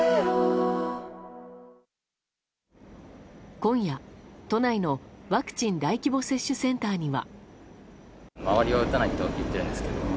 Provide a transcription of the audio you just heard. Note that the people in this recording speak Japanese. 今夜、都内のワクチン大規模接種センターには。